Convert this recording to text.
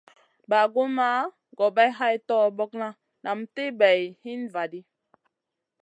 Bagumna gobay hay torbokna nam ti bay hin va ɗi.